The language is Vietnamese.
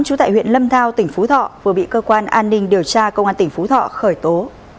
trú tại huyện lâm thao tỉnh phú thọ vừa bị cơ quan an ninh điều tra công an tỉnh phú thọ khởi tố